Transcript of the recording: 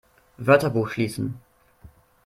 Wörterbuch schließen!